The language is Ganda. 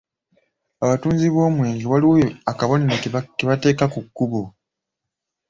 Abatunzi b’omwenge waliwo akabonero ke bateeka ku kkubo.